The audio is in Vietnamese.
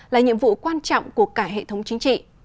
là nhiệm vụ quan trọng của cả hệ thống chính trị